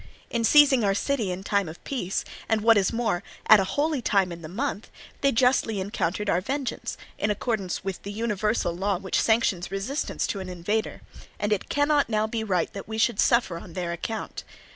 In seizing our city in time of peace, and what is more at a holy time in the month, they justly encountered our vengeance, in accordance with the universal law which sanctions resistance to an invader; and it cannot now be right that we should suffer on their account.